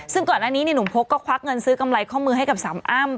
ซึ่งก่อนอันนี้หนุ่มพกก็ควักเงินซื้อกำไรข้อมือให้กับสามอ้ำ